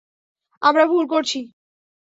আমরা ভুল করছি।